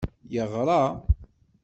Yeɣra.